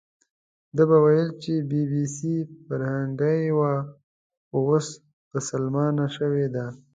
ده به ویل چې بي بي سي فیرنګۍ وه، خو اوس بسلمانه شوې ده.